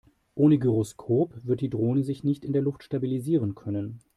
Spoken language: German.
Ohne Gyroskop wird die Drohne sich nicht in der Luft stabilisieren können.